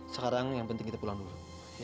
sekarang yang penting kita pulang dulu